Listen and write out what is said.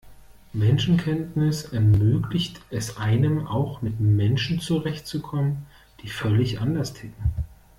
Menschenkenntnis ermöglicht es einem, auch mit Menschen zurechtzukommen, die völlig anders ticken.